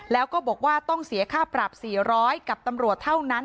แล้วก็บอกว่าต้องเสียค่าปรับ๔๐๐กับตำรวจเท่านั้น